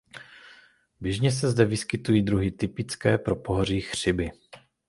Běžně se zde vyskytují druhy typické pro pohoří Chřiby.